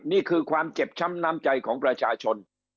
นี่คือความเจ็บช้ำน้ำใจของประชาชน